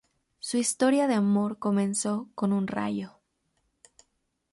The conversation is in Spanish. Su historia de amor comenzó con un rayo.